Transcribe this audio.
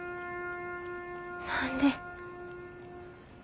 何で。